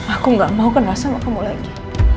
aku gak mau kenal sama kamu lagi